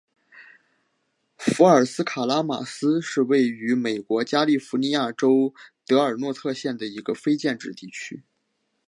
福尔斯卡拉马斯是位于美国加利福尼亚州德尔诺特县的一个非建制地区。